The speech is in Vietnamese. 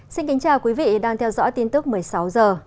xin kính chào quý vị đang theo dõi tin tức một mươi sáu h